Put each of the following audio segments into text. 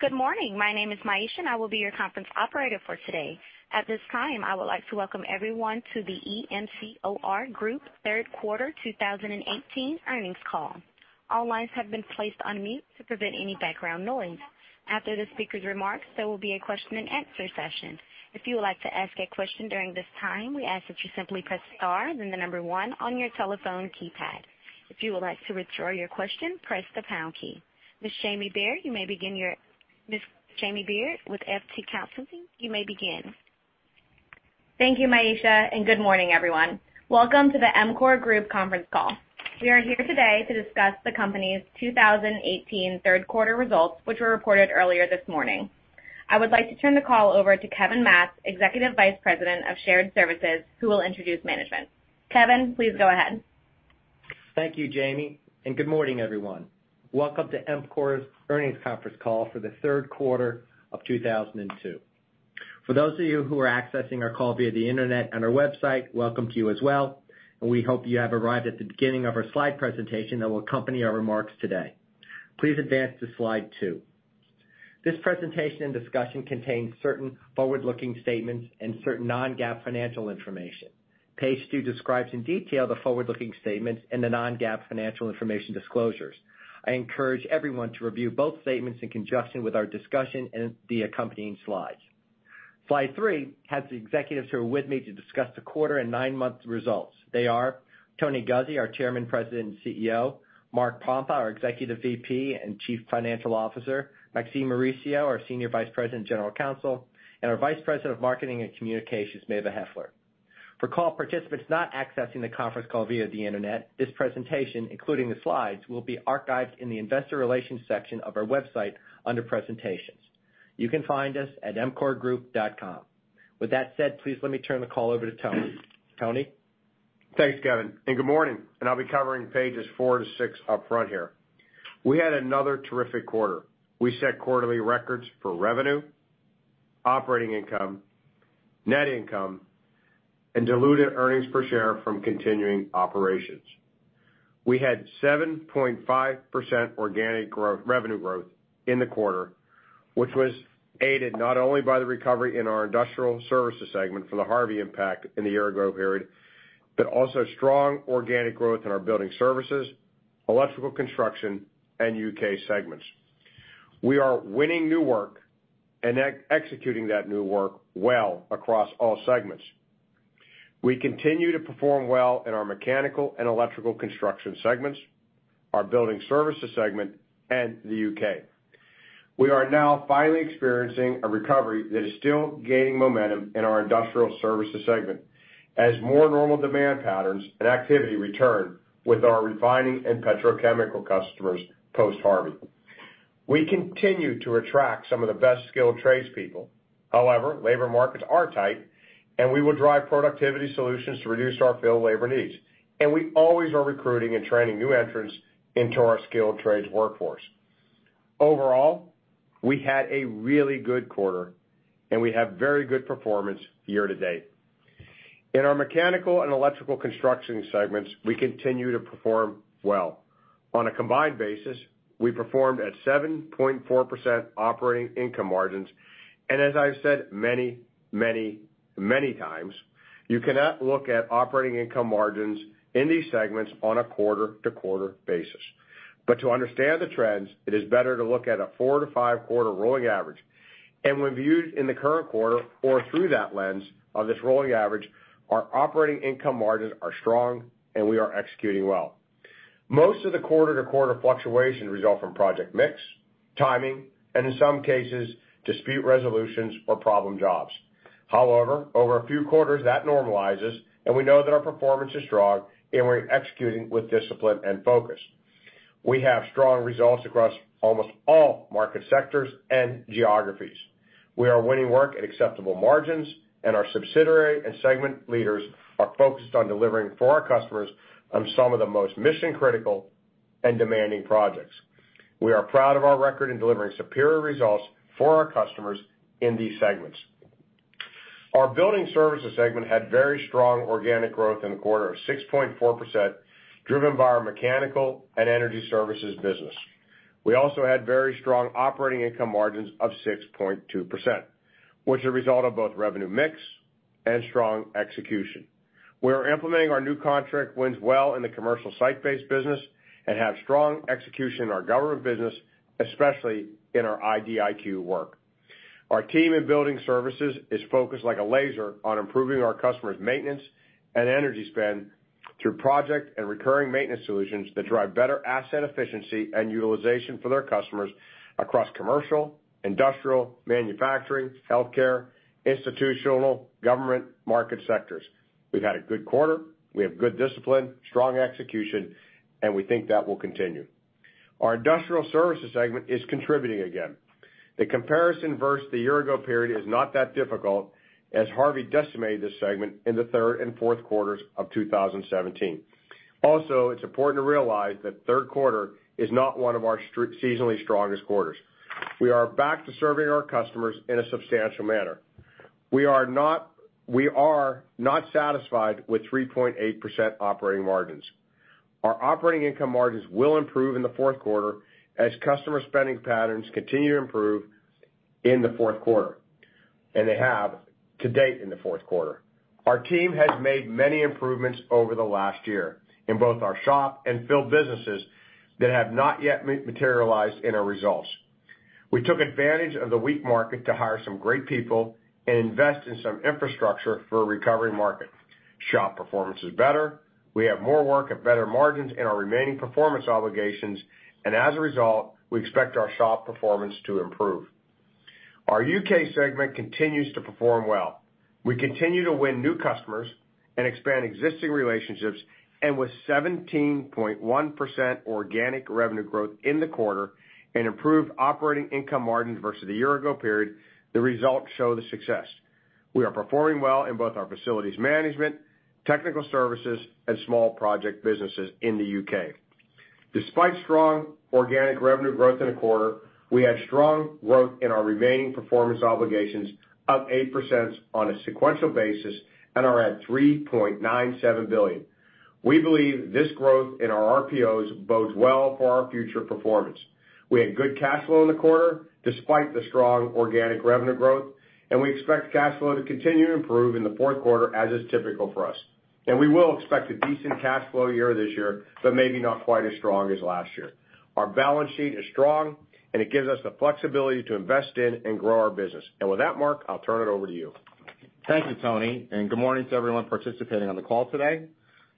Good morning. My name is Myesha, and I will be your conference operator for today. At this time, I would like to welcome everyone to the EMCOR Group third quarter 2018 earnings call. All lines have been placed on mute to prevent any background noise. After the speaker's remarks, there will be a question and answer session. If you would like to ask a question during this time, we ask that you simply press star, then the number 1 on your telephone keypad. If you would like to withdraw your question, press the pound key. Ms. Jamie Beard, with FTI Consulting, you may begin. Thank you, Myesha, and good morning, everyone. Welcome to the EMCOR Group conference call. We are here today to discuss the company's 2018 third quarter results, which were reported earlier this morning. I would like to turn the call over to Kevin Matz, Executive Vice President of Shared Services, who will introduce management. Kevin, please go ahead. Thank you, Jamie, and good morning, everyone. Welcome to EMCOR's earnings conference call for the third quarter of 2002. For those of you who are accessing our call via the internet on our website, welcome to you as well, and we hope you have arrived at the beginning of our slide presentation that will accompany our remarks today. Please advance to Slide 2. This presentation and discussion contains certain forward-looking statements and certain non-GAAP financial information. Page 2 describes in detail the forward-looking statements and the non-GAAP financial information disclosures. I encourage everyone to review both statements in conjunction with our discussion and the accompanying slides. Slide 3 has the executives who are with me to discuss the quarter and nine-month results. They are Tony Guzzi, our Chairman, President, and CEO, Mark Pompa, our Executive VP and Chief Financial Officer, Maxine Mauricio, our Senior Vice President and General Counsel, and our Vice President of Marketing and Communications, Mava Heffler. For call participants not accessing the conference call via the internet, this presentation, including the slides, will be archived in the investor relations section of our website under presentations. You can find us at emcorgroup.com. With that said, please let me turn the call over to Tony. Tony? Thanks, Kevin, good morning, I'll be covering pages four to six up front here. We had another terrific quarter. We set quarterly records for revenue, operating income, net income, and diluted earnings per share from continuing operations. We had 7.5% organic revenue growth in the quarter, which was aided not only by the recovery in our Industrial Services segment for the Harvey impact in the year ago period, but also strong organic growth in our Building Services, Electrical Construction, and U.K. segments. We are winning new work and executing that new work well across all segments. We continue to perform well in our Mechanical and Electrical Construction segments, our Building Services segment, and the U.K. We are now finally experiencing a recovery that is still gaining momentum in our Industrial Services segment as more normal demand patterns and activity return with our refining and petrochemical customers post-Harvey. We continue to attract some of the best-skilled trades people. However, labor markets are tight, we will drive productivity solutions to reduce our field labor needs. We always are recruiting and training new entrants into our skilled trades workforce. Overall, we had a really good quarter, we have very good performance year to date. In our Mechanical and Electrical Construction segments, we continue to perform well. On a combined basis, we performed at 7.4% operating income margins. As I've said many times, you cannot look at operating income margins in these segments on a quarter-to-quarter basis. To understand the trends, it is better to look at a four to five quarter rolling average. When viewed in the current quarter or through that lens of this rolling average, our operating income margins are strong, and we are executing well. Most of the quarter-to-quarter fluctuation result from project mix, timing, and in some cases, dispute resolutions or problem jobs. However, over a few quarters, that normalizes, and we know that our performance is strong, and we're executing with discipline and focus. We have strong results across almost all market sectors and geographies. We are winning work at acceptable margins, and our subsidiary and segment leaders are focused on delivering for our customers on some of the most mission-critical and demanding projects. We are proud of our record in delivering superior results for our customers in these segments. Our Building Services segment had very strong organic growth in the quarter of 6.4%, driven by our mechanical and energy services business. We also had very strong operating income margins of 6.2%, which is a result of both revenue mix and strong execution. We are implementing our new contract wins well in the commercial site-based business and have strong execution in our government business, especially in our IDIQ work. Our team in Building Services is focused like a laser on improving our customers' maintenance and energy spend through project and recurring maintenance solutions that drive better asset efficiency and utilization for their customers across commercial, industrial, manufacturing, healthcare, institutional, government market sectors. We've had a good quarter, we have good discipline, strong execution, we think that will continue. Our Industrial Services segment is contributing again. The comparison versus the year ago period is not that difficult, as Harvey decimated this segment in the third and fourth quarters of 2017. It's important to realize that third quarter is not one of our seasonally strongest quarters. We are back to serving our customers in a substantial manner. We are not satisfied with 3.8% operating margins. Our operating income margins will improve in the fourth quarter as customer spending patterns continue to improve in the fourth quarter, and they have to date in the fourth quarter. Our team has made many improvements over the last year in both our shop and field businesses that have not yet materialized in our results. We took advantage of the weak market to hire some great people and invest in some infrastructure for a recovery market. Shop performance is better. We have more work and better margins in our Remaining Performance Obligations, and as a result, we expect our shop performance to improve. Our U.K. segment continues to perform well. We continue to win new customers and expand existing relationships, with 17.1% organic revenue growth in the quarter and improved operating income margin versus the year-ago period, the results show the success. We are performing well in both our facilities management, technical services, and small project businesses in the U.K. Despite strong organic revenue growth in the quarter, we had strong growth in our Remaining Performance Obligations up 8% on a sequential basis and are at $3.97 billion. We believe this growth in our RPOs bodes well for our future performance. We had good cash flow in the quarter despite the strong organic revenue growth, we expect cash flow to continue to improve in the fourth quarter, as is typical for us. We will expect a decent cash flow year this year, but maybe not quite as strong as last year. Our balance sheet is strong, and it gives us the flexibility to invest in and grow our business. With that, Mark, I'll turn it over to you. Thank you, Tony, good morning to everyone participating on the call today.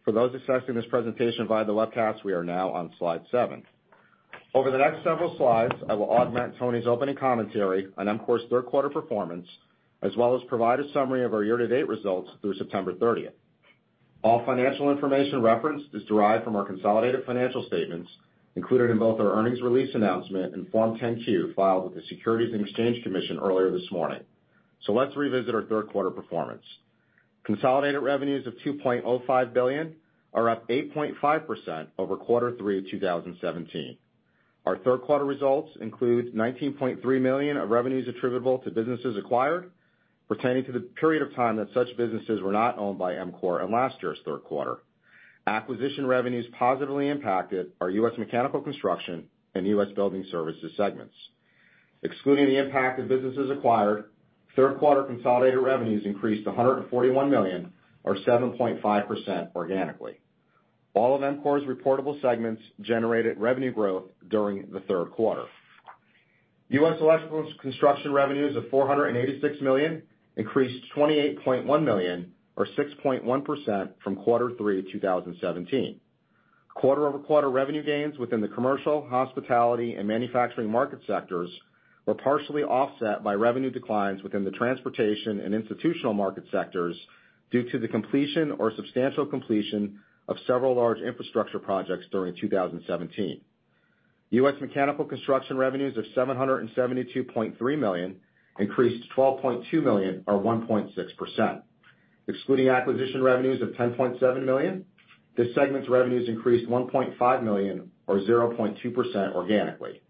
For those accessing this presentation via the webcast, we are now on slide seven. Over the next several slides, I will augment Tony's opening commentary on EMCOR's third quarter performance, as well as provide a summary of our year-to-date results through September 30th. All financial information referenced is derived from our consolidated financial statements included in both our earnings release announcement and Form 10-Q filed with the Securities and Exchange Commission earlier this morning. Let's revisit our third quarter performance. Consolidated revenues of $2.05 billion are up 8.5% over quarter 3 of 2017. Our third quarter results include $19.3 million of revenues attributable to businesses acquired pertaining to the period of time that such businesses were not owned by EMCOR in last year's third quarter. Acquisition revenues positively impacted our U.S. Mechanical Construction and U.S. Building Services segments. Excluding the impact of businesses acquired, third quarter consolidated revenues increased to $141 million, or 7.5% organically. All of EMCOR's reportable segments generated revenue growth during the third quarter. U.S. Electrical's construction revenues of $486 million increased $28.1 million or 6.1% from quarter 3 of 2017. Quarter-over-quarter revenue gains within the commercial, hospitality, and manufacturing market sectors were partially offset by revenue declines within the transportation and institutional market sectors due to the completion or substantial completion of several large infrastructure projects during 2017. U.S. Mechanical Construction revenues of $772.3 million increased to $12.2 million or 1.6%. Excluding acquisition revenues of $10.7 million, this segment's revenues increased $1.5 million or 0.2% organically.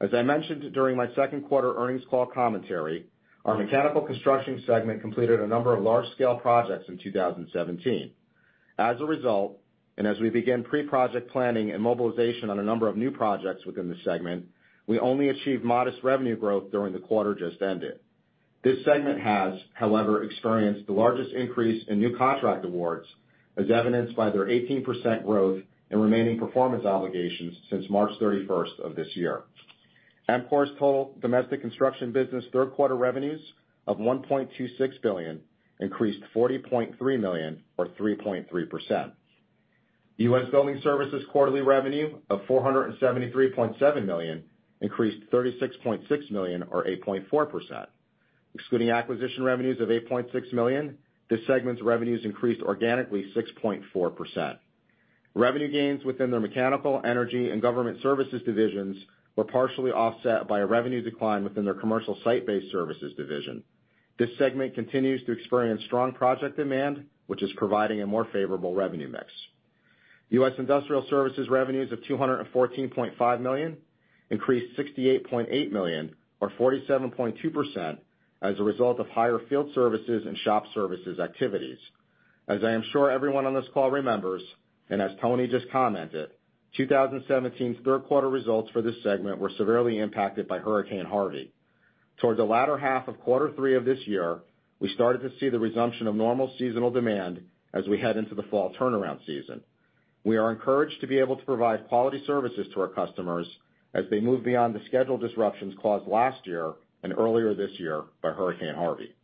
As I mentioned during my second quarter earnings call commentary, our Mechanical Construction segment completed a number of large-scale projects in 2017. As a result, as we begin pre-project planning and mobilization on a number of new projects within the segment, we only achieved modest revenue growth during the quarter just ended. This segment has, however, experienced the largest increase in new contract awards, as evidenced by their 18% growth in remaining performance obligations since March 31st of this year. EMCOR's total domestic construction business third-quarter revenues of $1.26 billion increased $40.3 million or 3.3%. U.S. Building Services quarterly revenue of $473.7 million increased $36.6 million or 8.4%. Excluding acquisition revenues of $8.6 million, this segment's revenues increased organically 6.4%. Revenue gains within their mechanical, energy, and government services divisions were partially offset by a revenue decline within their commercial site-based services division. This segment continues to experience strong project demand, which is providing a more favorable revenue mix. U.S. Industrial Services revenues of $214.5 million increased $68.8 million or 47.2% as a result of higher field services and shop services activities. As I am sure everyone on this call remembers, and as Tony just commented, 2017's third quarter results for this segment were severely impacted by Hurricane Harvey. Towards the latter half of quarter three of this year, we started to see the resumption of normal seasonal demand as we head into the fall turnaround season. We are encouraged to be able to provide quality services to our customers as they move beyond the schedule disruptions caused last year and earlier this year by Hurricane Harvey.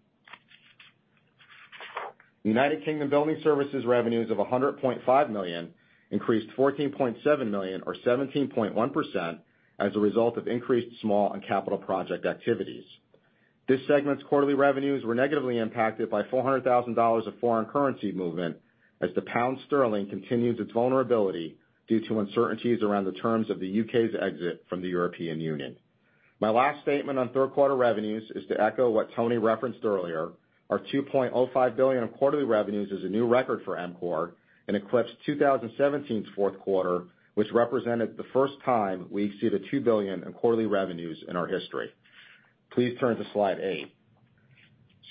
United Kingdom Building Services revenues of $100.5 million increased $14.7 million or 17.1% as a result of increased small and capital project activities. This segment's quarterly revenues were negatively impacted by $400,000 of foreign currency movement as the pound sterling continues its vulnerability due to uncertainties around the terms of the U.K.'s exit from the European Union. My last statement on third quarter revenues is to echo what Tony referenced earlier. Our $2.05 billion of quarterly revenues is a new record for EMCOR and eclipsed 2017's fourth quarter, which represented the first time we exceeded $2 billion in quarterly revenues in our history. Please turn to slide eight.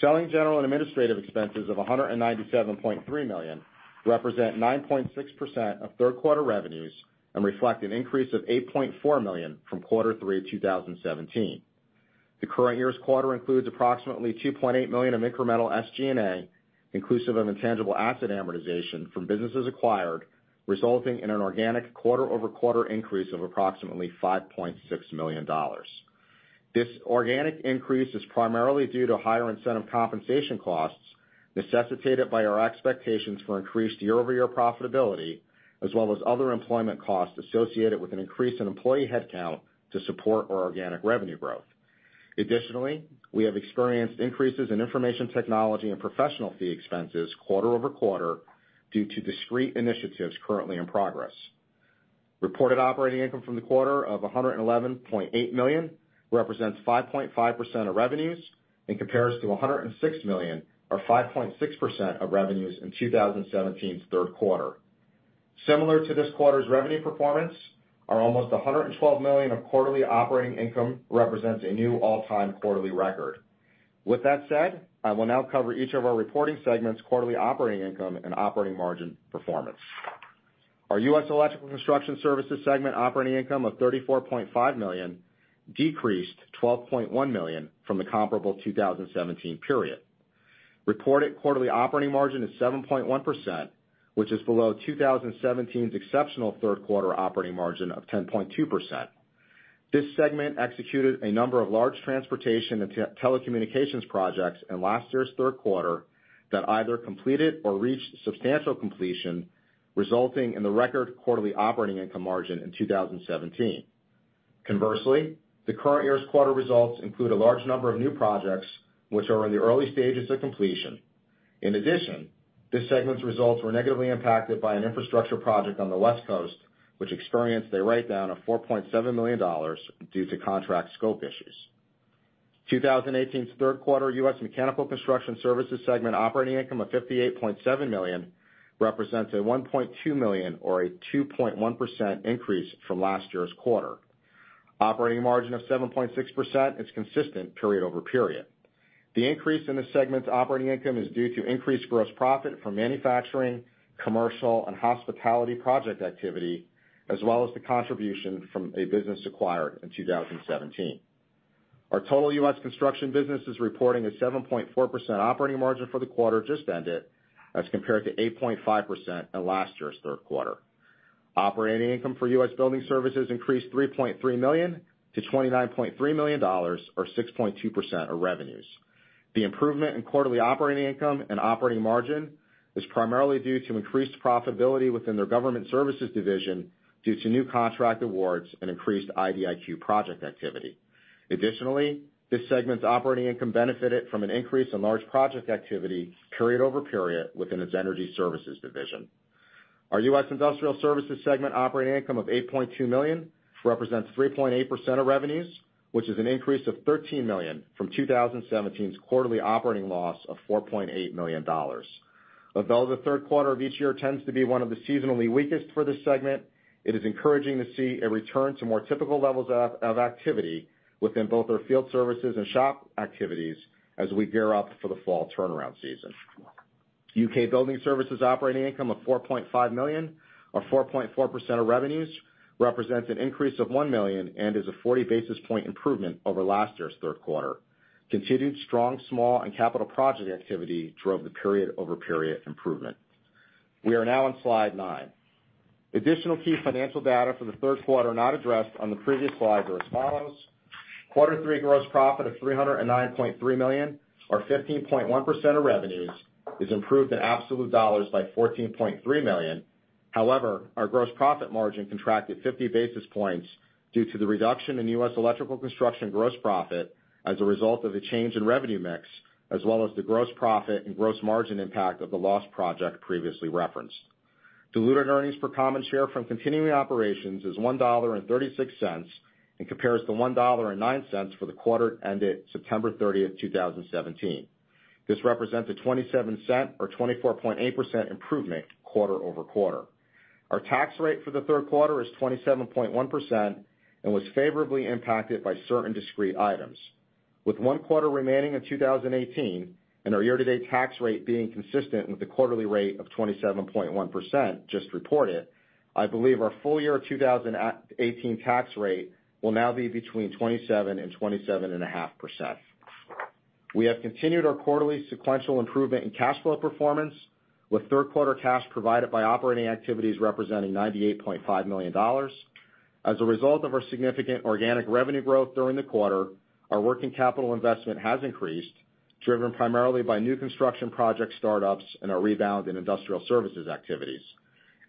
Selling general and administrative expenses of $197.3 million represent 9.6% of third quarter revenues and reflect an increase of $8.4 million from quarter three of 2017. The current year's quarter includes approximately $2.8 million of incremental SG&A, inclusive of intangible asset amortization from businesses acquired, resulting in an organic quarter-over-quarter increase of approximately $5.6 million. This organic increase is primarily due to higher incentive compensation costs necessitated by our expectations for increased year-over-year profitability, as well as other employment costs associated with an increase in employee headcount to support our organic revenue growth. Additionally, we have experienced increases in information technology and professional fee expenses quarter-over-quarter due to discrete initiatives currently in progress. Reported operating income from the quarter of $111.8 million represents 5.5% of revenues and compares to $106 million or 5.6% of revenues in 2017's third quarter. Similar to this quarter's revenue performance are almost $112 million of quarterly operating income represents a new all-time quarterly record. With that said, I will now cover each of our reporting segments' quarterly operating income and operating margin performance. Our U.S. Electrical Construction Services Segment operating income of $34.5 million decreased $12.1 million from the comparable 2017 period. Reported quarterly operating margin is 7.1%, which is below 2017's exceptional third-quarter operating margin of 10.2%. This segment executed a number of large transportation and telecommunications projects in last year's third quarter that either completed or reached substantial completion, resulting in the record quarterly operating income margin in 2017. Conversely, the current year's quarter results include a large number of new projects, which are in the early stages of completion. In addition, this segment's results were negatively impacted by an infrastructure project on the West Coast, which experienced a write-down of $4.7 million due to contract scope issues. 2018's third quarter U.S. Mechanical Construction Services segment operating income of $58.7 million represents a $1.2 million or a 2.1% increase from last year's quarter. Operating margin of 7.6% is consistent period over period. The increase in this segment's operating income is due to increased gross profit from manufacturing, commercial, and hospitality project activity, as well as the contribution from a business acquired in 2017. Our total U.S. construction business is reporting a 7.4% operating margin for the quarter just ended as compared to 8.5% in last year's third quarter. Operating income for U.S. Building Services increased $3.3 million to $29.3 million, or 6.2% of revenues. The improvement in quarterly operating income and operating margin is primarily due to increased profitability within their government services division due to new contract awards and increased IDIQ project activity. Additionally, this segment's operating income benefited from an increase in large project activity period over period within its energy services division. Our U.S. Industrial Services segment operating income of $8.2 million represents 3.8% of revenues, which is an increase of $13 million from 2017's quarterly operating loss of $4.8 million. Although the third quarter of each year tends to be one of the seasonally weakest for this segment, it is encouraging to see a return to more typical levels of activity within both our field services and shop activities as we gear up for the fall turnaround season. U.K. Building Services operating income of $4.5 million or 4.4% of revenues represents an increase of $1 million and is a 40-basis point improvement over last year's third quarter. Continued strong small and capital project activity drove the period-over-period improvement. We are now on slide nine. Additional key financial data for the third quarter not addressed on the previous slides are as follows. Quarter three gross profit of $309.3 million or 15.1% of revenues is improved in absolute dollars by $14.3 million. However, our gross profit margin contracted 50 basis points due to the reduction in U.S. electrical construction gross profit as a result of a change in revenue mix as well as the gross profit and gross margin impact of the lost project previously referenced. Diluted earnings per common share from continuing operations is $1.36 and compares to $1.09 for the quarter ended September 30th, 2017. This represents a $0.27 or 24.8% improvement quarter-over-quarter. Our tax rate for the third quarter is 27.1% and was favorably impacted by certain discrete items. With one quarter remaining in 2018 and our year-to-date tax rate being consistent with the quarterly rate of 27.1% just reported, I believe our full year 2018 tax rate will now be between 27% and 27.5%. We have continued our quarterly sequential improvement in cash flow performance with third-quarter cash provided by operating activities representing $98.5 million. As a result of our significant organic revenue growth during the quarter, our working capital investment has increased, driven primarily by new construction project startups and a rebound in industrial services activities.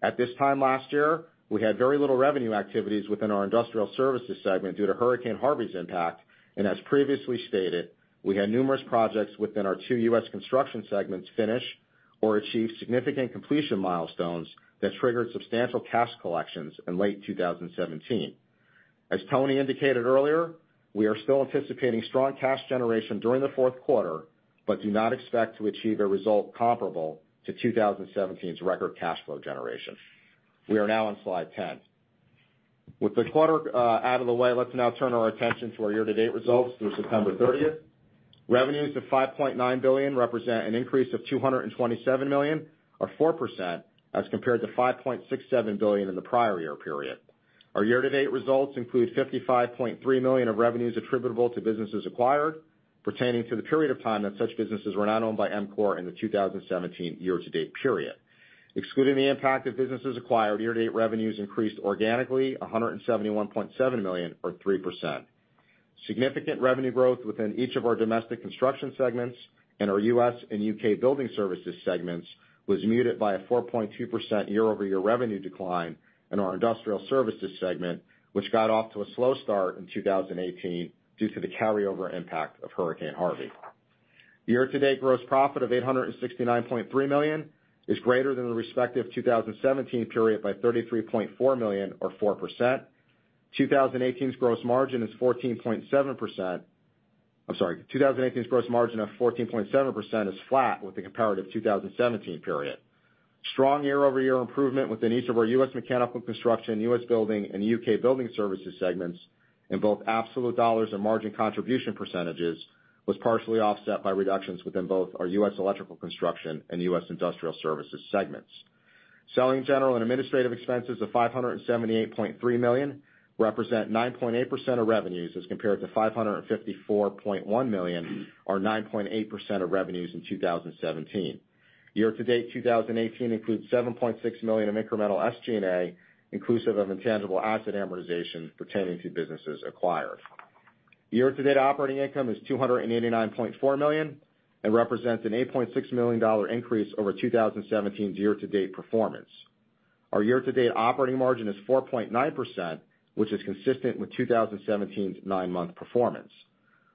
At this time last year, we had very little revenue activities within our industrial services segment due to Hurricane Harvey's impact, and as previously stated, we had numerous projects within our two U.S. construction segments finish or achieve significant completion milestones that triggered substantial cash collections in late 2017. As Tony indicated earlier, we are still anticipating strong cash generation during the fourth quarter, but do not expect to achieve a result comparable to 2017's record cash flow generation. We are now on slide 10. With the quarter out of the way, let's now turn our attention to our year-to-date results through September 30. Revenues of $5.9 billion represent an increase of $227 million or 4% as compared to $5.67 billion in the prior year period. Our year-to-date results include $55.3 million of revenues attributable to businesses acquired pertaining to the period of time that such businesses were not owned by EMCOR in the 2017 year-to-date period. Excluding the impact of businesses acquired, year-to-date revenues increased organically $171.7 million or 3%. Significant revenue growth within each of our U.S. construction segments and our U.S. and U.K. building services segments was muted by a 4.2% year-over-year revenue decline in our industrial services segment, which got off to a slow start in 2018 due to the carryover impact of Hurricane Harvey. Year-to-date gross profit of $869.3 million is greater than the respective 2017 period by $33.4 million or 4%. 2018's gross margin of 14.7% is flat with the comparative 2017 period. Strong year-over-year improvement within each of our U.S. mechanical construction, U.S. building, and U.K. building services segments, in both absolute dollars and margin contribution percentages, was partially offset by reductions within both our U.S. electrical construction and U.S. industrial services segments. Selling, general and administrative expenses of $578.3 million represent 9.8% of revenues as compared to $554.1 million or 9.8% of revenues in 2017. Year-to-date 2018 includes $7.6 million of incremental SG&A, inclusive of intangible asset amortization pertaining to businesses acquired. Year-to-date operating income is $289.4 million and represents an $8.6 million increase over 2017's year-to-date performance. Our year-to-date operating margin is 4.9%, which is consistent with 2017's nine-month performance.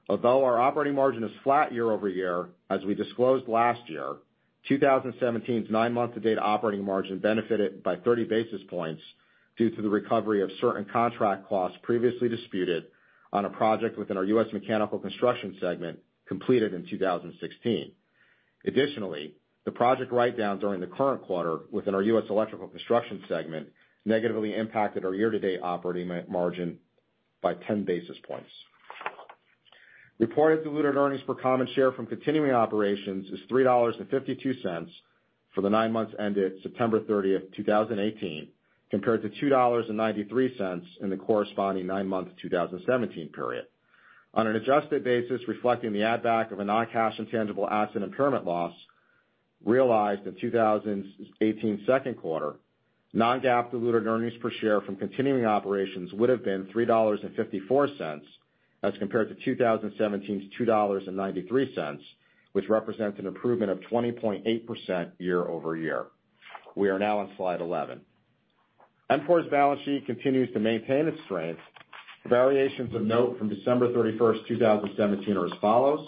Although our operating margin is flat year-over-year, as we disclosed last year, 2017's nine-month-to-date operating margin benefited by 30 basis points due to the recovery of certain contract costs previously disputed on a project within our U.S. mechanical construction segment completed in 2016. Additionally, the project write-down during the current quarter within our U.S. electrical construction segment negatively impacted our year-to-date operating margin by 10 basis points. Reported diluted earnings per common share from continuing operations is $3.52 for the nine months ended September 30th, 2018, compared to $2.93 in the corresponding nine-month 2017 period. On an adjusted basis reflecting the add back of a non-cash intangible asset impairment loss realized in 2018's second quarter, non-GAAP diluted earnings per share from continuing operations would've been $3.54 as compared to 2017's $2.93, which represents an improvement of 20.8% year-over-year. We are now on slide 11. EMCOR's balance sheet continues to maintain its strength. Variations of note from December 31st, 2017, are as follows.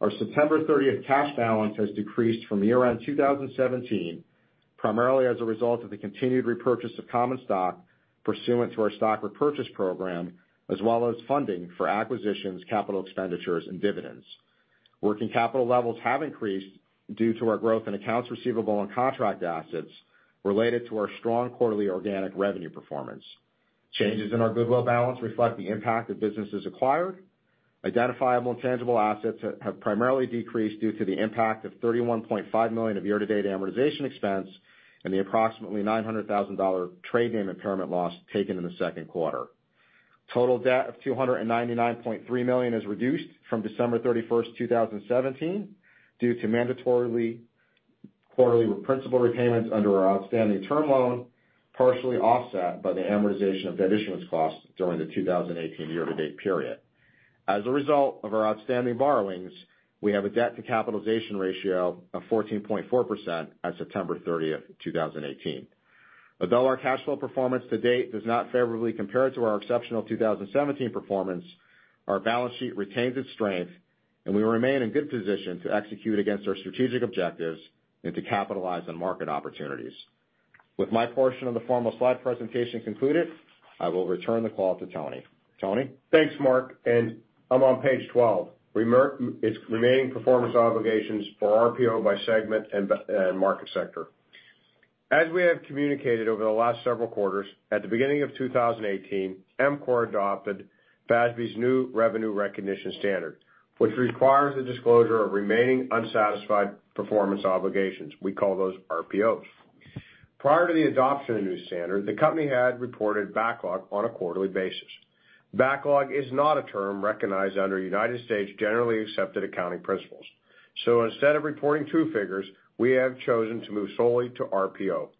Our September 30th cash balance has decreased from year-end 2017, primarily as a result of the continued repurchase of common stock pursuant to our stock repurchase program, as well as funding for acquisitions, capital expenditures, and dividends. Working capital levels have increased due to our growth in accounts receivable and contract assets related to our strong quarterly organic revenue performance. Changes in our goodwill balance reflect the impact of businesses acquired. Identifiable intangible assets have primarily decreased due to the impact of $31.5 million of year-to-date amortization expense and the approximately $900,000 trade name impairment loss taken in the second quarter. Total debt of $299.3 million is reduced from December 31st, 2017, due to mandatory quarterly principal repayments under our outstanding term loan, partially offset by the amortization of debt issuance costs during the 2018 year-to-date period. As a result of our outstanding borrowings, we have a debt-to-capitalization ratio of 14.4% at September 30th, 2018. Although our cash flow performance to date does not favorably compare to our exceptional 2017 performance, our balance sheet retains its strength, and we remain in good position to execute against our strategic objectives and to capitalize on market opportunities. With my portion of the formal slide presentation concluded, I will return the call to Tony. Tony? Thanks, Mark. I'm on page 12, remaining performance obligations for RPO by segment and market sector. As we have communicated over the last several quarters, at the beginning of 2018, EMCOR adopted FASB's new revenue recognition standard, which requires the disclosure of remaining unsatisfied performance obligations. We call those RPOs. Prior to the adoption of the new standard, the company had reported backlog on a quarterly basis. Backlog is not a term recognized under United States generally accepted accounting principles. Instead of reporting two figures, we have chosen to move solely to RPO.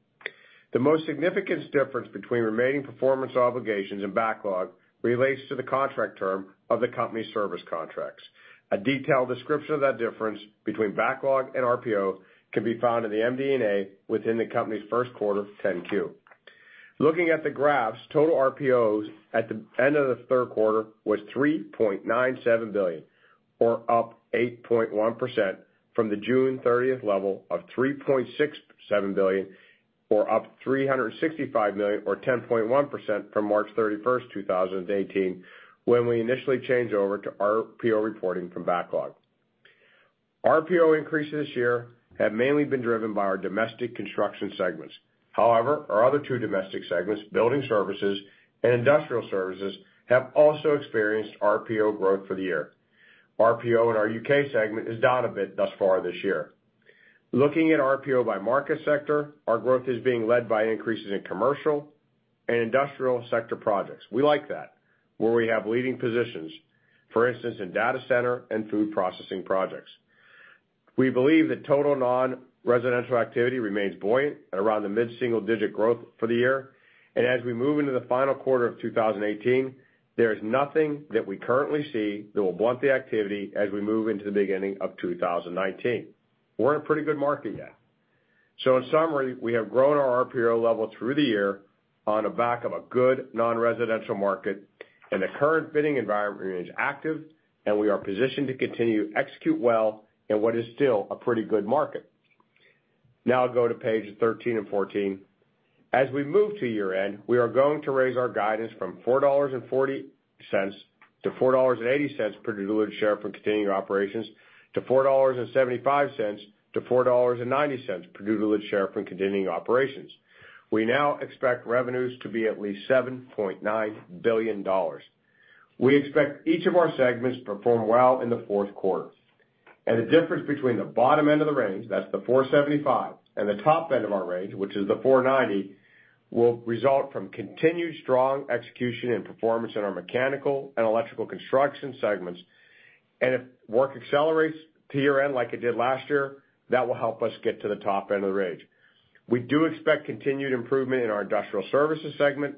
The most significant difference between remaining performance obligations and backlog relates to the contract term of the company's service contracts. A detailed description of that difference between backlog and RPO can be found in the MD&A within the company's first quarter 10-Q. Looking at the graphs, total RPOs at the end of the third quarter was $3.97 billion, or up 8.1% from the June 30th level of $3.67 billion, or up $365 million or 10.1% from March 31st, 2018, when we initially changed over to RPO reporting from backlog. RPO increases this year have mainly been driven by our domestic construction segments. However, our other two domestic segments, building services and industrial services, have also experienced RPO growth for the year. RPO in our U.K. segment is down a bit thus far this year. Looking at RPO by market sector, our growth is being led by increases in commercial and industrial sector projects. We like that, where we have leading positions, for instance, in data center and food processing projects. We believe that total non-residential activity remains buoyant at around the mid-single-digit growth for the year. As we move into the final quarter of 2018, there is nothing that we currently see that will blunt the activity as we move into the beginning of 2019. We're in a pretty good market yet. In summary, we have grown our RPO level through the year on the back of a good non-residential market, and the current bidding environment remains active, and we are positioned to continue to execute well in what is still a pretty good market. Now I'll go to page 13 and 14. As we move to year-end, we are going to raise our guidance from $4.40 to $4.80 per diluted share from continuing operations to $4.75 to $4.90 per diluted share from continuing operations. We now expect revenues to be at least $7.9 billion. We expect each of our segments to perform well in the fourth quarter. The difference between the bottom end of the range, that's the $4.75, and the top end of our range, which is the $4.90, will result from continued strong execution and performance in our mechanical and electrical construction segments. If work accelerates to year-end like it did last year, that will help us get to the top end of the range. We do expect continued improvement in our industrial services segment,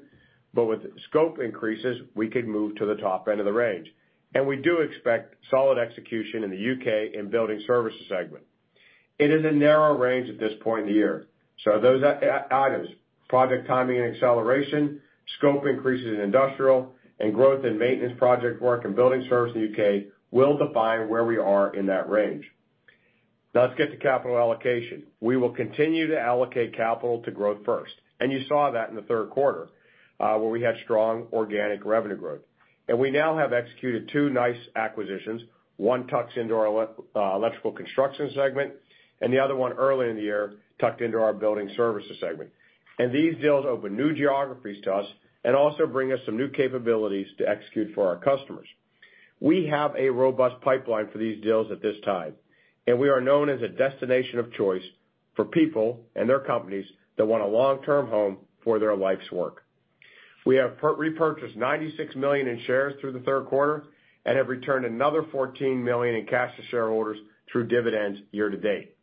but with scope increases, we could move to the top end of the range. We do expect solid execution in the U.K. and building services segment. It is a narrow range at this point in the year, so those items, project timing and acceleration, scope increases in industrial, and growth in maintenance project work and building services in the U.K., will define where we are in that range. Now let's get to capital allocation. We will continue to allocate capital to growth first. You saw that in the third quarter, where we had strong organic revenue growth. We now have executed two nice acquisitions. One tucks into our electrical construction segment, and the other one early in the year tucked into our building services segment. These deals open new geographies to us and also bring us some new capabilities to execute for our customers. We have a robust pipeline for these deals at this time, and we are known as a destination of choice for people and their companies that want a long-term home for their life's work. We have repurchased $96 million in shares through the third quarter and have returned another $14 million in cash to shareholders through dividends year to date.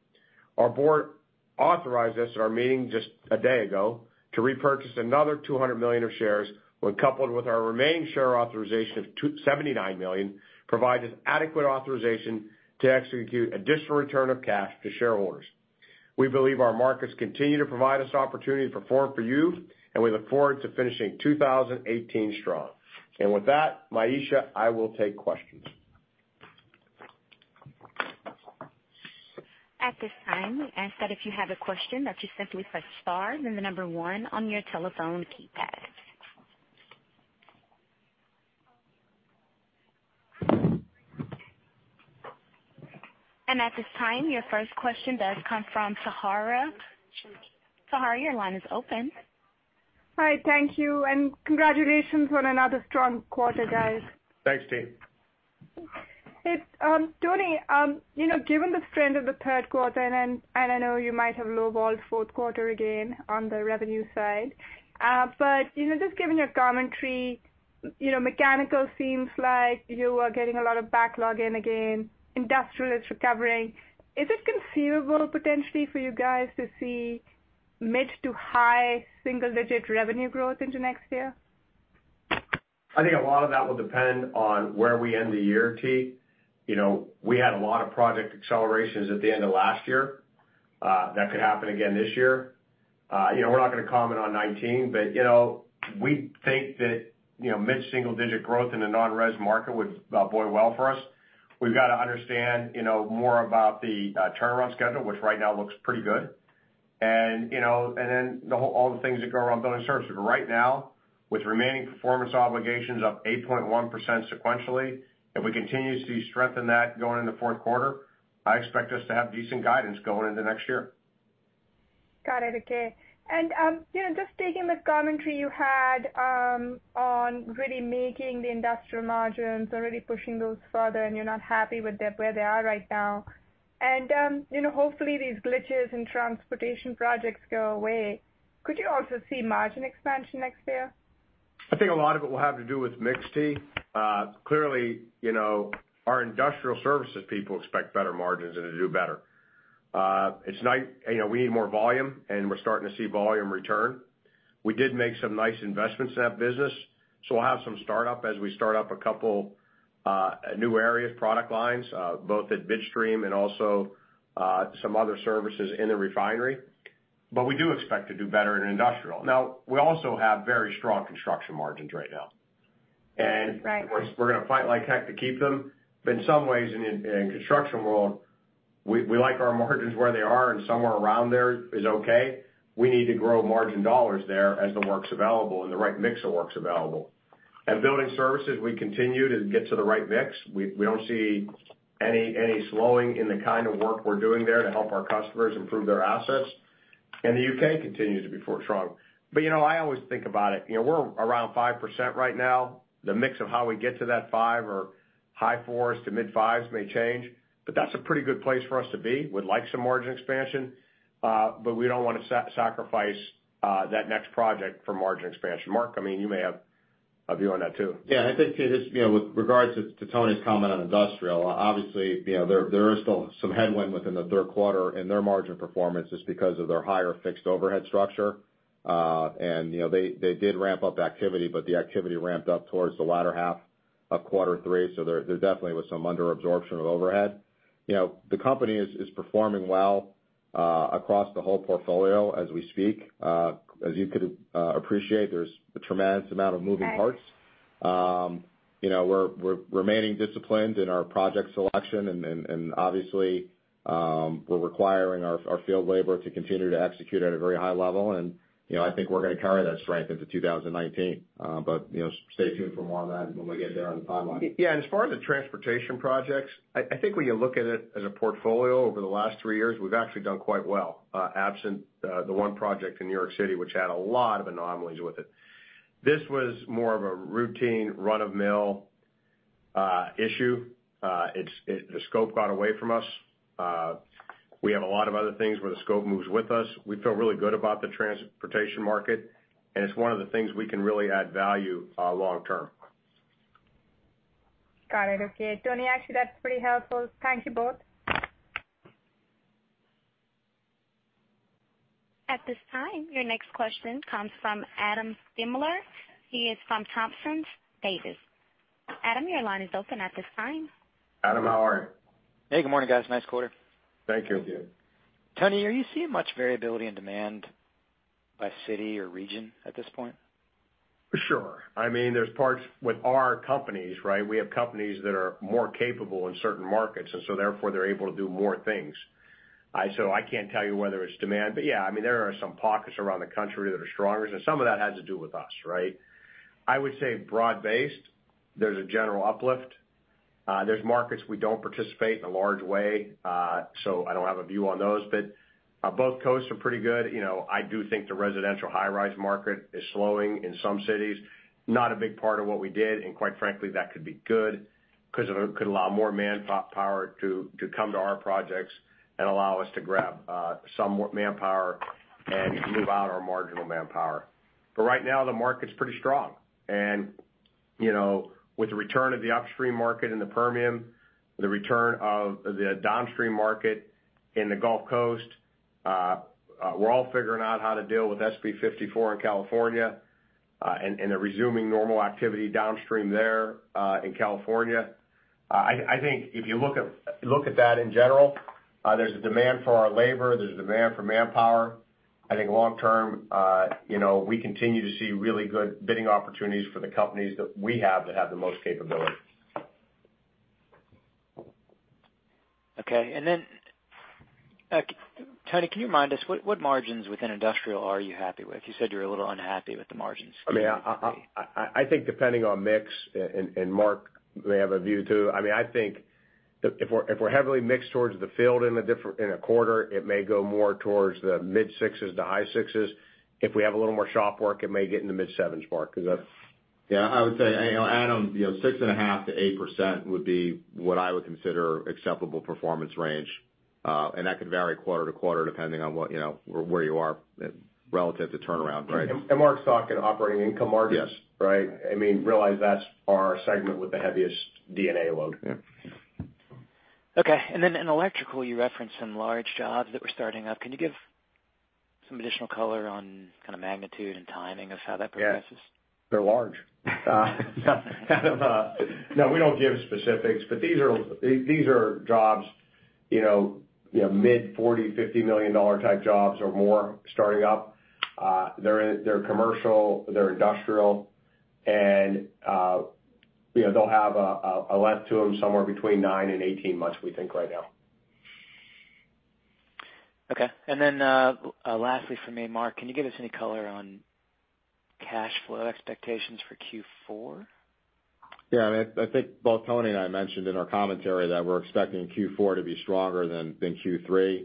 Our board authorized us at our meeting just a day ago to repurchase another $200 million of shares, when coupled with our remaining share authorization of $79 million, provides us adequate authorization to execute additional return of cash to shareholders. We believe our markets continue to provide us opportunity to perform for you, and we look forward to finishing 2018 strong. With that, Myesha, I will take questions. At this time, we ask that if you have a question, that you simply press star then the number one on your telephone keypad. At this time, your first question does come from Sahara. Sahara, your line is open. Hi, thank you, and congratulations on another strong quarter, guys. Thanks, T. Hey, Tony, given the strength of the third quarter, and I know you might have low-balled fourth quarter again on the revenue side, but, just given your commentary, mechanical seems like you are getting a lot of backlog in again, industrial is recovering. Is it conceivable, potentially, for you guys to see mid to high single-digit revenue growth into next year? I think a lot of that will depend on where we end the year, Tony. We had a lot of project accelerations at the end of last year. That could happen again this year. We're not going to comment on 2019, but we think that mid-single-digit growth in the non-res market would bode well for us. We've got to understand more about the turnaround schedule, which right now looks pretty good. Then all the things that go around building services. Right now, with remaining performance obligations up 8.1% sequentially, if we continue to strengthen that going in the fourth quarter, I expect us to have decent guidance going into next year. Got it. Okay. Just taking the commentary you had on really making the industrial margins and really pushing those further, you're not happy with where they are right now. Hopefully these glitches in transportation projects go away. Could you also see margin expansion next year? I think a lot of it will have to do with mix, Tony. Clearly, our industrial services people expect better margins and to do better. We need more volume, and we're starting to see volume return. We did make some nice investments in that business, so we'll have some startup as we start up a couple new areas, product lines, both at Midstream and also some other services in the refinery. We do expect to do better in industrial. We also have very strong construction margins right now. Right. We're going to fight like heck to keep them. In some ways, in the construction world, we like our margins where they are, and somewhere around there is okay. We need to grow margin dollars there as the work's available and the right mix of work's available. Building services, we continue to get to the right mix. We don't see any slowing in the kind of work we're doing there to help our customers improve their assets. The U.K. continues to be strong. I always think about it, we're around 5% right now. The mix of how we get to that 5% or high 4% to mid 5% may change, but that's a pretty good place for us to be. We'd like some margin expansion, but we don't want to sacrifice that next project for margin expansion. Mark, you may have a view on that too. Yeah, I think with regards to Tony's comment on industrial, obviously, there is still some headwind within the third quarter and their margin performance is because of their higher fixed overhead structure. They did ramp up activity, but the activity ramped up towards the latter half of quarter three. There definitely was some under-absorption of overhead. The company is performing well across the whole portfolio as we speak. As you could appreciate, there's a tremendous amount of moving parts. We're remaining disciplined in our project selection and obviously, we're requiring our field labor to continue to execute at a very high level, and I think we're going to carry that strength into 2019. Stay tuned for more on that when we get there on the timeline. Yeah, as far as the transportation projects, I think when you look at it as a portfolio over the last three years, we've actually done quite well, absent the one project in New York City, which had a lot of anomalies with it. This was more of a routine run-of-mill issue. The scope got away from us. We have a lot of other things where the scope moves with us. We feel really good about the transportation market, and it's one of the things we can really add value long term. Got it. Okay, Tony, actually, that's pretty helpful. Thank you both. At this time, your next question comes from Adam Thalhimer. He is from Thompson Davis. Adam, your line is open at this time. Adam, how are you? Hey, good morning, guys. Nice quarter. Thank you. Thank you. Tony, are you seeing much variability in demand by city or region at this point? For sure. There's parts with our companies, right? We have companies that are more capable in certain markets. Therefore, they're able to do more things. I can't tell you whether it's demand. Yeah, there are some pockets around the country that are stronger, and some of that has to do with us, right? I would say broad-based, there's a general uplift. There's markets we don't participate in a large way, so I don't have a view on those. Both coasts are pretty good. I do think the residential high-rise market is slowing in some cities. Not a big part of what we did, and quite frankly, that could be good because it could allow more manpower to come to our projects and allow us to grab some manpower and move out our marginal manpower. Right now, the market's pretty strong. With the return of the upstream market in the Permian, the return of the downstream market in the Gulf Coast, we're all figuring out how to deal with SB 54 in California. They're resuming normal activity downstream there, in California. I think if you look at that in general, there's a demand for our labor, there's a demand for manpower. I think long term, we continue to see really good bidding opportunities for the companies that we have that have the most capability. Okay. Tony, can you mind us, what margins within industrial are you happy with? You said you were a little unhappy with the margins. I think depending on mix, Mark may have a view, too. I think if we're heavily mixed towards the field in a quarter, it may go more towards the mid-6% to high 6%. If we have a little more shop work, it may get in the mid-7%, Mark, because that's Yeah, I would say, Adam, 6.5%-8% would be what I would consider acceptable performance range. That could vary quarter to quarter depending on where you are relative to turnaround times. Mark's talking operating income margins. Yes. Right? Realize that's our segment with the heaviest D&A load. Yeah. Then in electrical, you referenced some large jobs that were starting up. Can you give some additional color on kind of magnitude and timing of how that progresses? Yeah. They're large. No, we don't give specifics, but these are jobs, mid $40 million, $50 million type jobs or more starting up. They're commercial, they're industrial. They'll have a length to them somewhere between nine and 18 months, we think right now. Okay. Then, lastly from me, Mark, can you give us any color on cash flow expectations for Q4? Yeah. I think both Tony and I mentioned in our commentary that we're expecting Q4 to be stronger than Q3.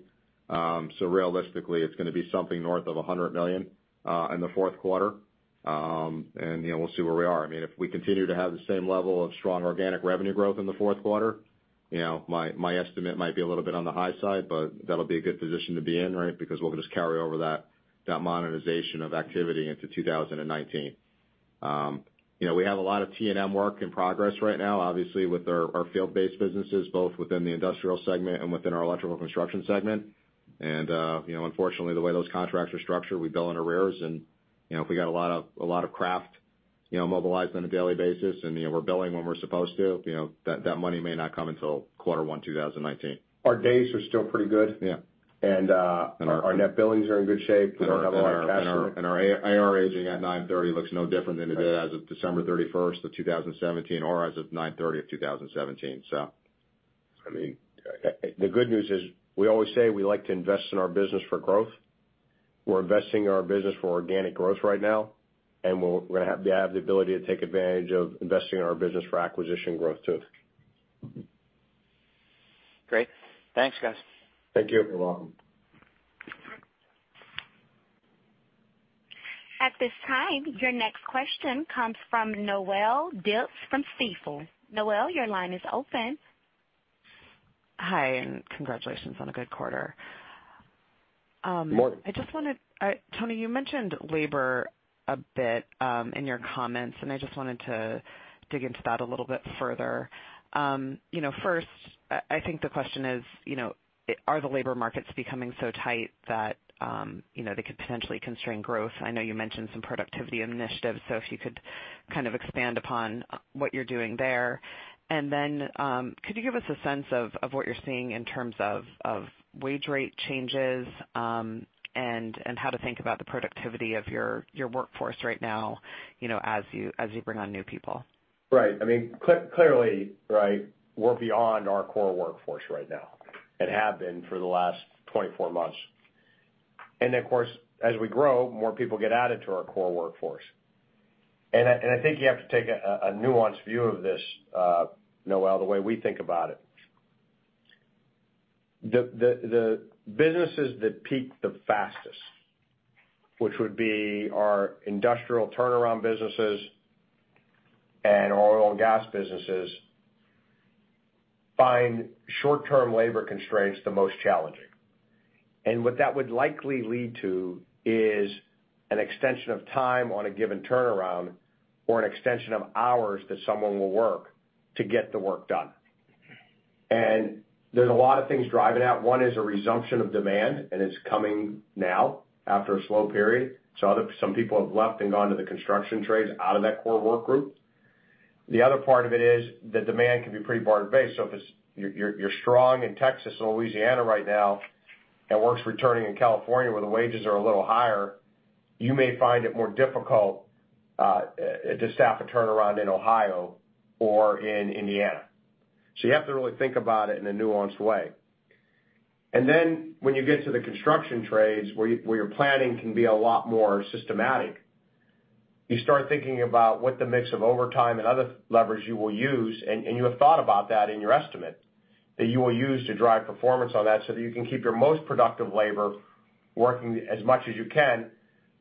Realistically, it's going to be something north of $100 million in the fourth quarter. We'll see where we are. If we continue to have the same level of strong organic revenue growth in the fourth quarter, my estimate might be a little bit on the high side, that'll be a good position to be in, right? We'll just carry over that monetization of activity into 2019. We have a lot of T&M work in progress right now, obviously, with our field-based businesses, both within the industrial segment and within our electrical construction segment. Unfortunately, the way those contracts are structured, we bill in arrears, and if we got a lot of craft mobilized on a daily basis and we're billing when we're supposed to, that money may not come until quarter one 2019. Our days are still pretty good. Yeah. Our net billings are in good shape. We don't have a lot of cash flow. Our A/R aging at 9/30 looks no different than it did as of December 31st, 2017, or as of 9/30/2017. The good news is we always say we like to invest in our business for growth. We're investing in our business for organic growth right now, and we're going to have the ability to take advantage of investing in our business for acquisition growth too. Great. Thanks, guys. Thank you. You're welcome. At this time, your next question comes from Noelle Dilts from Stifel. Noelle, your line is open. Hi, congratulations on a good quarter. Morning. Tony, you mentioned labor a bit in your comments, and I just wanted to dig into that a little bit further. First, I think the question is, are the labor markets becoming so tight that they could potentially constrain growth? I know you mentioned some productivity initiatives, so if you could expand upon what you're doing there. Then, could you give us a sense of what you're seeing in terms of wage rate changes, and how to think about the productivity of your workforce right now, as you bring on new people? Right. Clearly, we're beyond our core workforce right now, and have been for the last 24 months. Of course, as we grow, more people get added to our core workforce. I think you have to take a nuanced view of this, Noelle, the way we think about it. The businesses that peak the fastest, which would be our industrial turnaround businesses and our oil and gas businesses, find short-term labor constraints the most challenging. What that would likely lead to is an extension of time on a given turnaround or an extension of hours that someone will work to get the work done. There's a lot of things driving that. One is a resumption of demand, and it's coming now after a slow period. Some people have left and gone to the construction trades out of that core work group. The other part of it is the demand can be pretty barter-based. If you're strong in Texas and Louisiana right now and work's returning in California, where the wages are a little higher, you may find it more difficult to staff a turnaround in Ohio or in Indiana. You have to really think about it in a nuanced way. When you get to the construction trades, where your planning can be a lot more systematic, you start thinking about what the mix of overtime and other levers you will use, and you have thought about that in your estimate, that you will use to drive performance on that so that you can keep your most productive labor working as much as you can,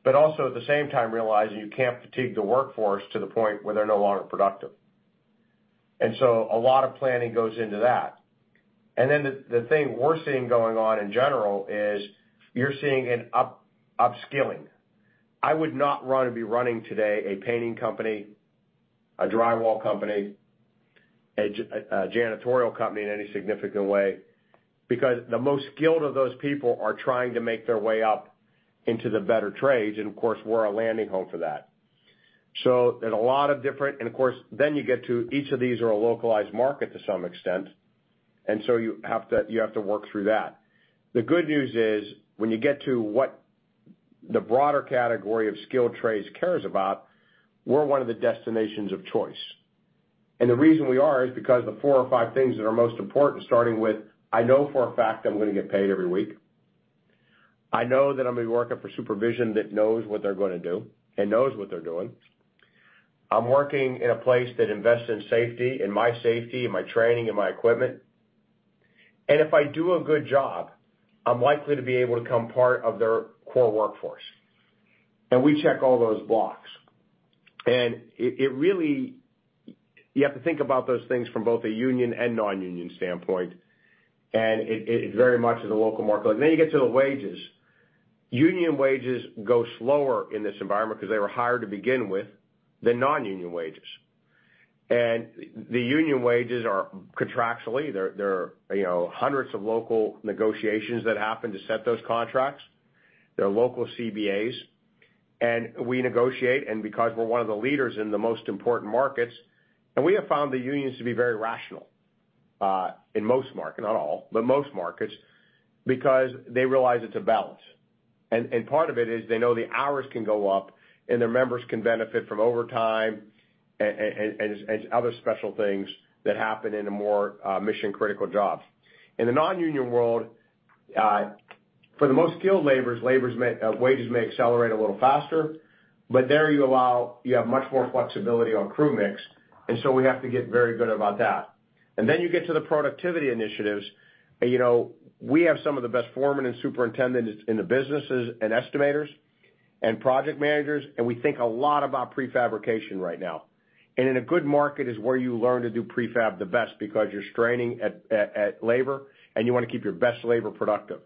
but also at the same time realizing you can't fatigue the workforce to the point where they're no longer productive. A lot of planning goes into that. The thing we're seeing going on in general is you're seeing an upskilling. I would not want to be running today a painting company, a drywall company, a janitorial company in any significant way, because the most skilled of those people are trying to make their way up into the better trades. We're a landing home for that. You get to each of these are a localized market to some extent, you have to work through that. The good news is, when you get to what the broader category of skilled trades cares about, we're one of the destinations of choice. The reason we are is because the four or five things that are most important, starting with, I know for a fact I'm going to get paid every week. I know that I'm going to be working for supervision that knows what they're going to do and knows what they're doing. I'm working in a place that invests in safety, in my safety, in my training, in my equipment. If I do a good job, I'm likely to be able to become part of their core workforce. We check all those blocks. You have to think about those things from both a union and non-union standpoint, and it very much is a local market. You get to the wages. Union wages go slower in this environment because they were higher to begin with than non-union wages. The union wages are contractually, there are hundreds of local negotiations that happen to set those contracts. There are local CBAs, we negotiate, because we're one of the leaders in the most important markets, we have found the unions to be very rational, in most markets, not all, but most markets, because they realize it's a balance. Part of it is they know the hours can go up, and their members can benefit from overtime and other special things that happen in a more mission-critical jobs. In the non-union world, for the most skilled laborers, wages may accelerate a little faster, but there you have much more flexibility on crew mix, we have to get very good about that. You get to the productivity initiatives. We have some of the best foremen and superintendents in the businesses, and estimators and project managers, we think a lot about prefabrication right now. In a good market is where you learn to do prefab the best because you're straining at labor, you want to keep your best labor productive.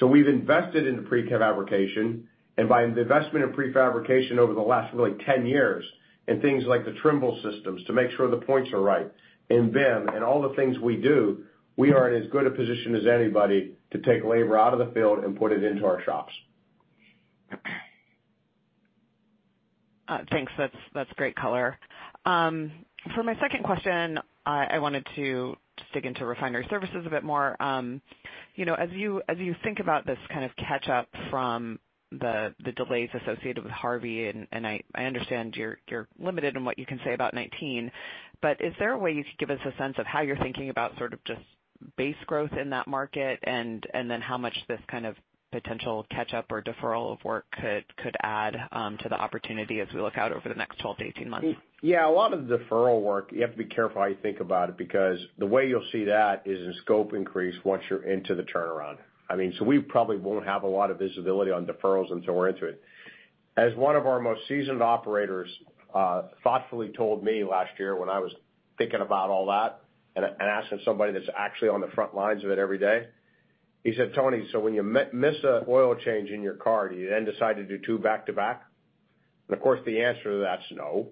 We've invested in prefabrication, and by the investment in prefabrication over the last really 10 years in things like the Trimble systems to make sure the points are right, and BIM and all the things we do, we are in as good a position as anybody to take labor out of the field and put it into our shops. Thanks. That's great color. For my second question, I wanted to dig into refinery services a bit more. As you think about this catch-up from the delays associated with Harvey, I understand you're limited in what you can say about 2019, but is there a way you could give us a sense of how you're thinking about sort of just base growth in that market, and then how much this kind of potential catch-up or deferral of work could add to the opportunity as we look out over the next 12 to 18 months? Yeah. A lot of the deferral work, you have to be careful how you think about it, because the way you'll see that is in scope increase once you're into the turnaround. As one of our most seasoned operators thoughtfully told me last year when I was thinking about all that and asking somebody that's actually on the front lines of it every day, he said, "Tony, when you miss an oil change in your car, do you then decide to do two back to back?" Of course, the answer to that's no.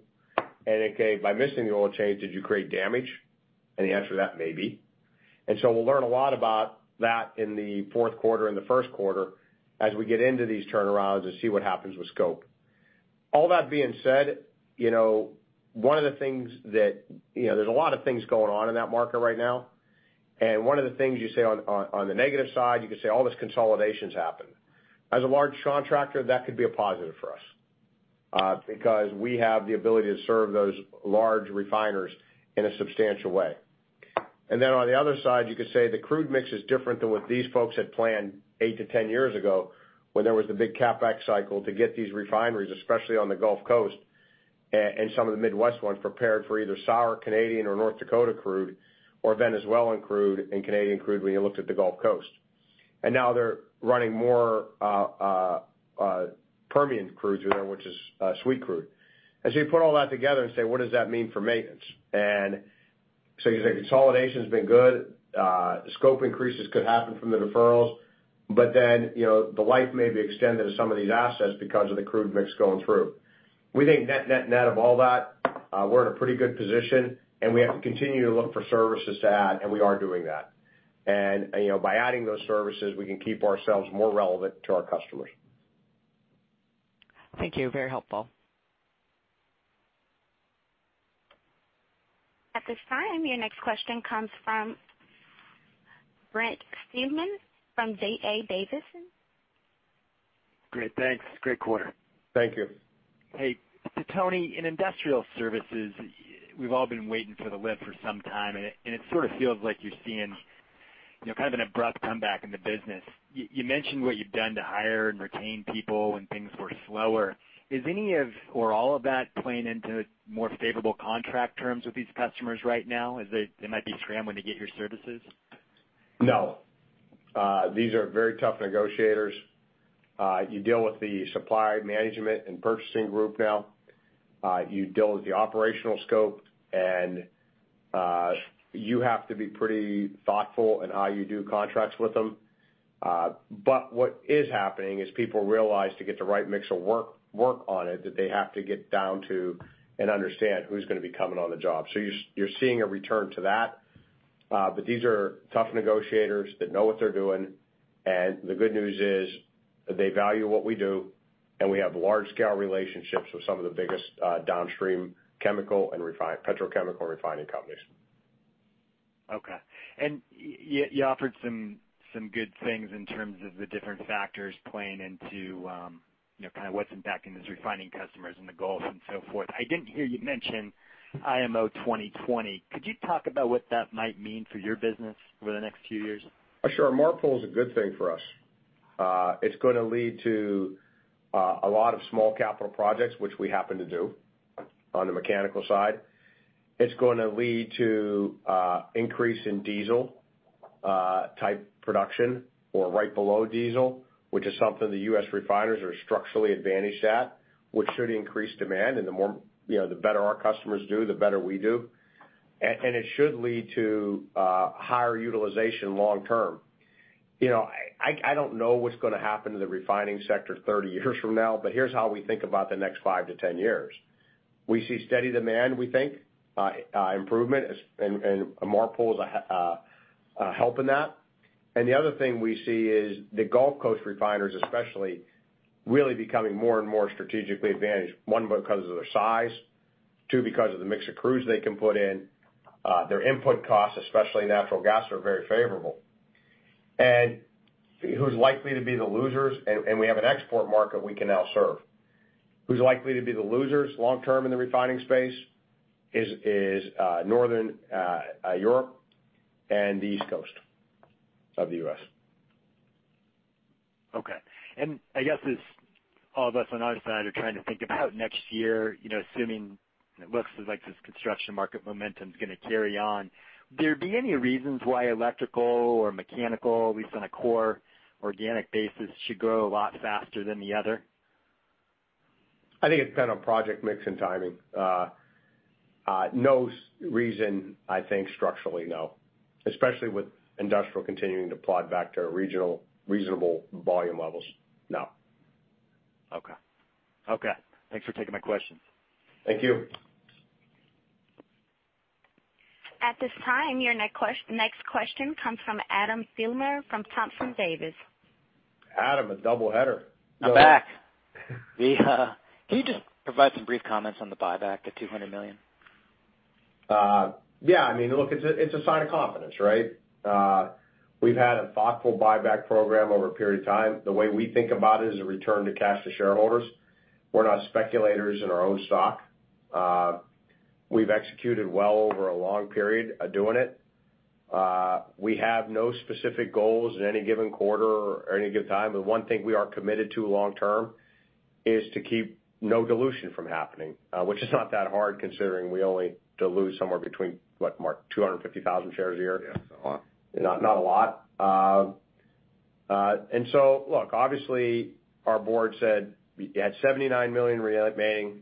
Then he came, "By missing the oil change, did you create damage?" The answer to that, maybe. We'll learn a lot about that in the fourth quarter and the first quarter as we get into these turnarounds and see what happens with scope. All that being said, there's a lot of things going on in that market right now, one of the things you say on the negative side, you could say all this consolidation is happening. As a large contractor, that could be a positive for us, because we have the ability to serve those large refiners in a substantial way. On the other side, you could say the crude mix is different than what these folks had planned 8-10 years ago when there was the big CapEx cycle to get these refineries, especially on the Gulf Coast, and some of the Midwest ones prepared for either sour Canadian or North Dakota crude, or Venezuelan crude and Canadian crude when you looked at the Gulf Coast. Now they're running more Permian crude through there, which is sweet crude. You put all that together and say, "What does that mean for maintenance?" You say consolidation's been good, scope increases could happen from the deferrals, the life may be extended to some of these assets because of the crude mix going through. We think net-net-net of all that, we're in a pretty good position, we have to continue to look for services to add, and we are doing that. By adding those services, we can keep ourselves more relevant to our customers. Thank you. Very helpful. At this time, your next question comes from Brent Thielman, from D.A. Davidson & Co. Great, thanks. Great quarter. Thank you. Hey, Tony, in industrial services, we've all been waiting for the lift for some time, it sort of feels like you're seeing kind of an abrupt comeback in the business. You mentioned what you've done to hire and retain people when things were slower. Is any of or all of that playing into more favorable contract terms with these customers right now, as they might be scrambling to get your services? No. These are very tough negotiators. You deal with the supply management and purchasing group now. You deal with the operational scope and you have to be pretty thoughtful in how you do contracts with them. What is happening is people realize to get the right mix of work on it, that they have to get down to and understand who's gonna be coming on the job. You're seeing a return to that. These are tough negotiators that know what they're doing, and the good news is that they value what we do, and we have large scale relationships with some of the biggest downstream chemical and petrochemical refining companies. You offered some good things in terms of the different factors playing into kind of what's impacting these refining customers and the goals and so forth. I didn't hear you mention IMO 2020. Could you talk about what that might mean for your business over the next few years? Sure. MARPOL is a good thing for us. It's going to lead to a lot of small capital projects, which we happen to do on the mechanical side. It's going to lead to increase in diesel type production or right below diesel, which is something the U.S. refiners are structurally advantaged at, which should increase demand, and the better our customers do, the better we do. It should lead to higher utilization long term. I don't know what's going to happen to the refining sector 30 years from now, but here's how we think about the next five to 10 years. We see steady demand, we think, improvement as MARPOL is a help in that. The other thing we see is the Gulf Coast refiners especially, really becoming more and more strategically advantaged. One, because of their size, two, because of the mix of crudes they can put in. Their input costs, especially natural gas, are very favorable. Who's likely to be the losers? We have an export market we can now serve. Who's likely to be the losers long term in the refining space is Northern Europe and the East Coast of the U.S. Okay. I guess as all of us on our side are trying to think about next year, assuming it looks as like this construction market momentum's going to carry on. There'd be any reasons why electrical or mechanical, at least on a core organic basis, should grow a lot faster than the other? I think it's been on project mix and timing. No reason, I think structurally, no. Especially with industrial continuing to plod back to reasonable volume levels. No. Okay. Thanks for taking my questions. Thank you. At this time, your next question comes from Adam Thalhimer from Thompson Davis. Adam, a double header. I'm back. Can you just provide some brief comments on the buyback, the $200 million? Yeah. Look, it's a sign of confidence, right? We've had a thoughtful buyback program over a period of time. The way we think about it is a return to cash to shareholders. We're not speculators in our own stock. We've executed well over a long period of doing it. We have no specific goals in any given quarter or any given time. One thing we are committed to long term is to keep no dilution from happening, which is not that hard considering we only dilute somewhere between, what, Mark, 250,000 shares a year? Yeah. It's not a lot. Look, obviously our board said we had $79 million remaining.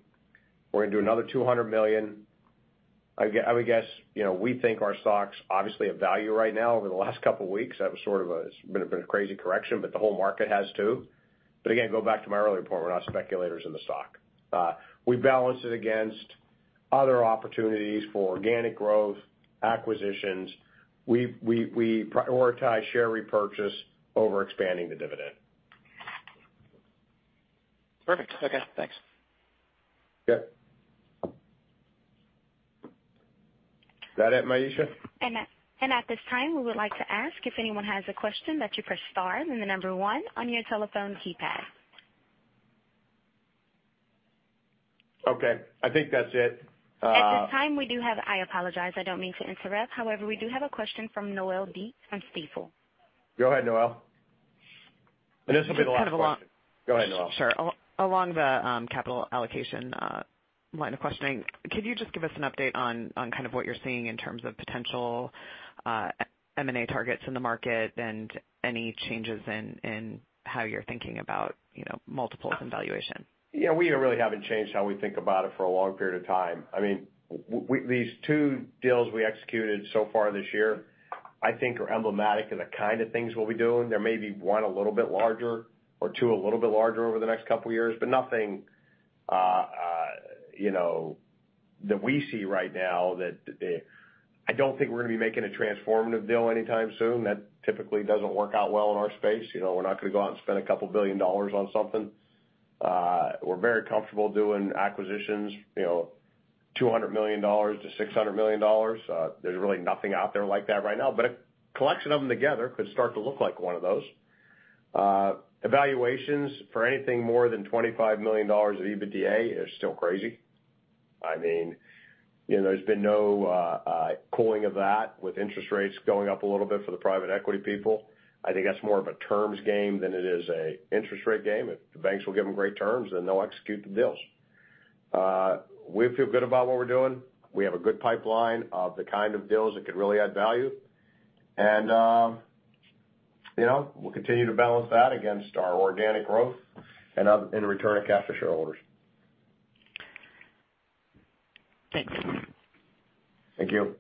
We're going to do another $200 million. I would guess, we think our stock's obviously of value right now. Over the last couple of weeks, that was a bit of crazy correction, but the whole market has too. Again, go back to my earlier point, we're not speculators in the stock. We balance it against other opportunities for organic growth, acquisitions. We prioritize share repurchase over expanding the dividend. Perfect. Okay, thanks. Okay. Is that it, Maisha? At this time, we would like to ask, if anyone has a question, that you press star and the number one on your telephone keypad. Okay. I think that's it. At this time, I apologize, I don't mean to interrupt. We do have a question from Noelle Dilts from Stifel. Go ahead, Noelle. This will be the last question. This is kind of a long- Go ahead, Noelle. Sure. Along the capital allocation line of questioning, could you just give us an update on what you're seeing in terms of potential M&A targets in the market and any changes in how you're thinking about multiples and valuation? Yeah, we really haven't changed how we think about it for a long period of time. These two deals we executed so far this year, I think are emblematic of the kind of things we'll be doing. There may be one a little bit larger or two a little bit larger over the next couple of years, but nothing that we see right now that I don't think we're going to be making a transformative deal anytime soon. That typically doesn't work out well in our space. We're not going to go out and spend a couple billion dollars on something. We're very comfortable doing acquisitions, $200 million-$600 million. There's really nothing out there like that right now, but a collection of them together could start to look like one of those. Evaluations for anything more than $25 million of EBITDA is still crazy. There's been no cooling of that with interest rates going up a little bit for the private equity people. I think that's more of a terms game than it is an interest rate game. If the banks will give them great terms, then they'll execute the deals. We feel good about what we're doing. We have a good pipeline of the kind of deals that could really add value, and we'll continue to balance that against our organic growth and return of cash to shareholders. Thanks. Thank you.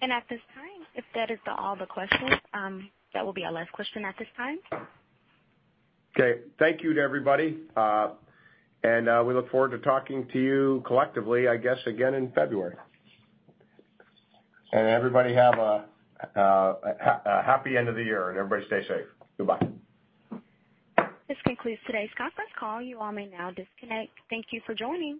At this time, if that is all the questions, that will be our last question at this time. Okay. Thank you to everybody, and we look forward to talking to you collectively, I guess, again in February. Everybody have a happy end of the year, and everybody stay safe. Goodbye. This concludes today's conference call. You all may now disconnect. Thank you for joining.